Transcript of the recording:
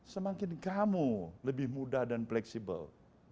semakin kamu lebih mudah dan fleksibel